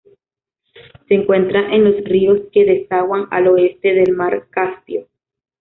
Se encuentra en los ríos que desaguan al oeste del mar Caspio.